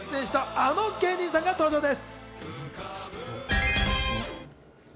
あの芸人さんが登場です。